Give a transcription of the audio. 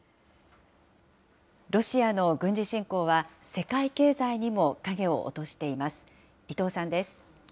ロシアの軍事侵攻は、世界経済にも影を落としています。